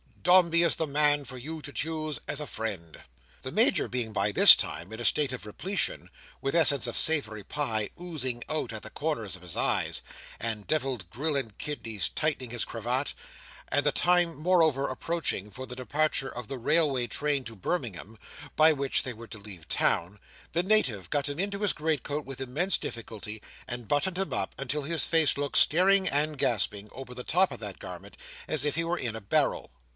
Dombey is the man for you to choose as a friend." The Major being by this time in a state of repletion, with essence of savoury pie oozing out at the corners of his eyes, and devilled grill and kidneys tightening his cravat: and the time moreover approaching for the departure of the railway train to Birmingham, by which they were to leave town: the Native got him into his great coat with immense difficulty, and buttoned him up until his face looked staring and gasping, over the top of that garment, as if he were in a barrel.